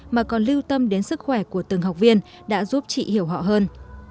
mà còn lưu tâm đến sức khỏe của từng học viên đã giúp chị hiểu họ hơn